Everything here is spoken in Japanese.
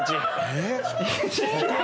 えっ！